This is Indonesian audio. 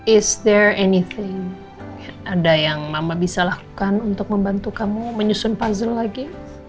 is their anything ada yang mama bisa lakukan untuk membantu kamu menyusun puzzle lagi